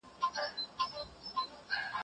زه به سبا زده کړه کوم.